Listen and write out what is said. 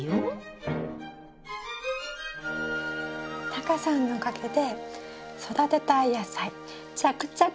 タカさんのおかげで育てたい野菜着々と作ってます。